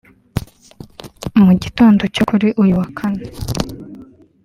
Mu gitondo cyo kuri uyu wa Kane